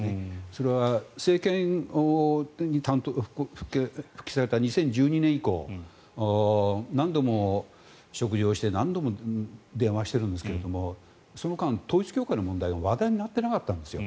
それは政権に復帰された２０１２年以降何度も食事をして何度も電話をしているんですがその間、統一教会の問題が話題になっていなかったんですよ。